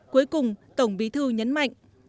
cuối cùng tổng bí thư nhấn mạnh